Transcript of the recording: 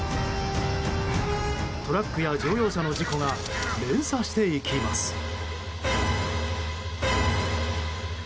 トラックや乗用車の事故が連鎖していきます。